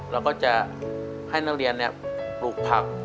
เราก็จะให้นักเรียนปลูกผัก